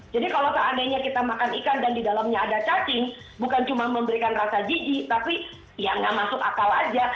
jadi kalau seandainya kita makan ikan dan di dalamnya ada cacing bukan cuma memberikan rasa jijik tapi ya nggak masuk akal aja